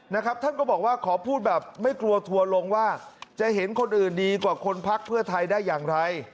นะครับท่านก็บอกว่าขอพูดแบบไม่กลัวทัวร์ลงว่าจะเห็นคนอื่นดีกว่าคนพักเพื่อไทยได้อย่างไร